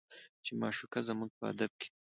چې معشوقه زموږ په ادب کې